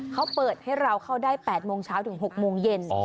เขาเปิดให้เราเข้าได้๘โมงเช้าถึง๖โมงเย็น